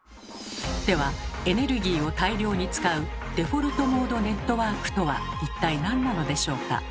ではエネルギーを大量に使うデフォルトモードネットワークとは一体何なのでしょうか？